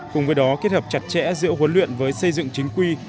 cùng với đó kết hợp chặt chẽ giữa huấn luyện với xây dựng chính quy